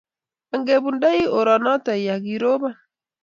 ang'er kebundoe orenoto ya kirobon